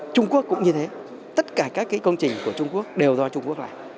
trung quốc cũng như thế tất cả các công trình của trung quốc đều do trung quốc làm